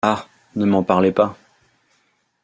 Ah! ne m’en parlez pas !